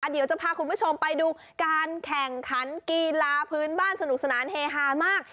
เดี๋ยวจะพาคุณผู้ชมไปดูการแข่งขันกีฬาพื้นบ้านสนุกสนานเฮฮามาก